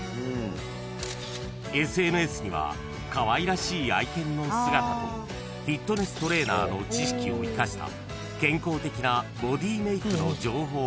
［ＳＮＳにはかわいらしい愛犬の姿とフィットネストレーナーの知識を生かした健康的なボディメイクの情報を投稿］